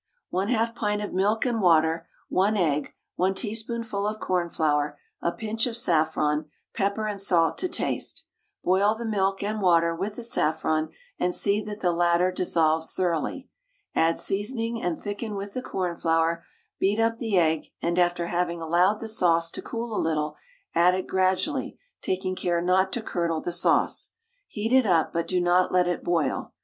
1/2 pint of milk and water, 1 egg, 1 teaspoonful of cornflour, a pinch of saffron, pepper and salt to taste. Boil the milk and water with the saffron, and see that the latter dissolves thoroughly. Add seasoning, and thicken with the cornflour; beat up the egg, and after having allowed the sauce to cool a little, add it gradually, taking care not to curdle the sauce. Heat it up, but do not let it boil.